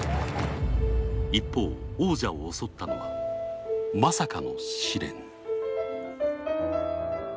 一方、王者を襲ったのはまさかの試練。